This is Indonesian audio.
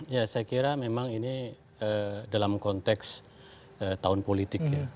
ya saya kira memang ini dalam konteks tahun politik ya